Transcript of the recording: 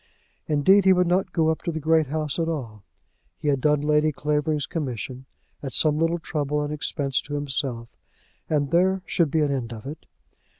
Indeed, he would not go up to the great house at all. He had done Lady Clavering's commission, at some little trouble and expense to himself, and there should be an end of it.